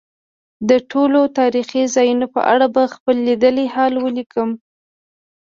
د ټولو تاریخي ځایونو په اړه به خپل لیدلی حال ولیکم.